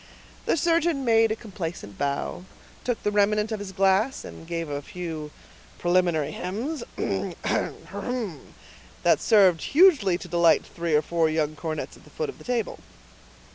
The surgeon made a complacent bow, took the remnant of his glass, and gave a few preliminary hems, that served hugely to delight three or four young cornets at the foot of the table.